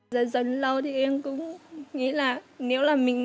cảm ơn các bạn đã theo dõi